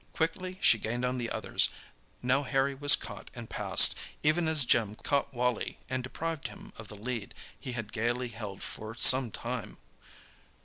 Quickly she gained on the others; now Harry was caught and passed, even as Jim caught Wally and deprived him of the lead he had gaily held for some time.